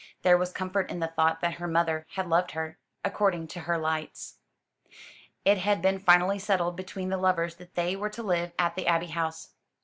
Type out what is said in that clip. There was comfort in the thought that her mother had loved her, according to her lights. It had been finally settled between the lovers that they were to live at the Abbey House.